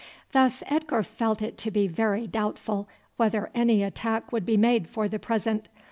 Thus Edgar felt it to be very doubtful whether any attack would be made for the present.